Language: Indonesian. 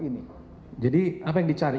ini jadi apa yang dicari